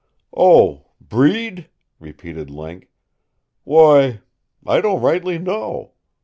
"Oh breed?" repeated Link. "Why, I don't rightly know.